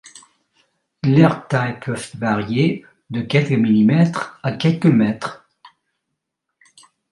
Leurs tailles peuvent varier de quelques millimètres à quelques mètres.